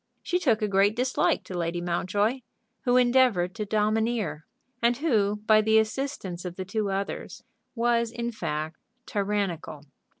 She took a great dislike to Lady Mountjoy, who endeavored to domineer; and who, by the assistance of the two others, was in fact tyrannical.